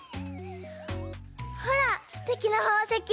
ほらすてきなほうせき！